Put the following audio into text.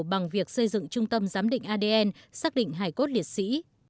bằng việc xây dựng trung tâm giám định adn xác định hải cốt liệt sĩ